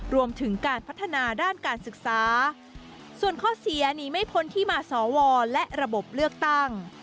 รวมถึงการพัฒนาด้านการศึกษาส่วนข้อเสียหนีไม่พ้นที่มาสวและระบบเลือกตั้ง